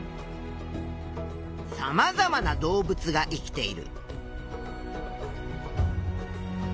さまざまな動物が生きている。